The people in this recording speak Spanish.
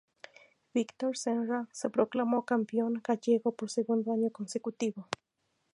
Víctor Senra se proclamó campeón gallego por segundo año consecutivo.